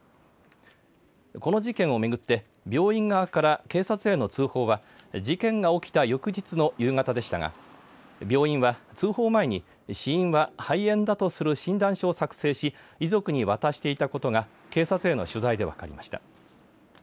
この事件を巡って、病院側から警察への通報は事件が起きた翌日の夕方でしたが病院は通報前に死因は肺炎だとする診断書を作成し遺族に渡していたことが警察への取材で分かりました。